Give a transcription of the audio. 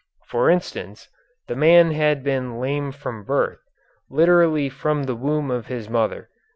For instance, the man had been lame from birth, literally from the womb of his mother.